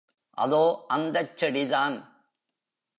அதோ அந்தச் செடிதான்.